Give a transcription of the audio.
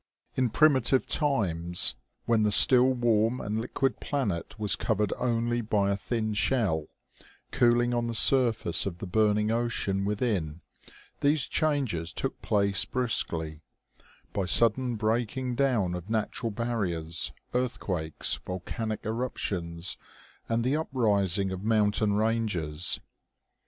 In primitive times, OMEGA. 215 when the still warm and liquid planet was covered only by a thin shell, cooling on the surface of the burning ocean within, these changes took place brusquely, by sud den breaking down of natural barriers, earthquakes, vol canic eruptions, and the uprising of mountain ranges.